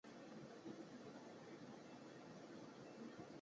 作品风格展现新魔幻现实主义。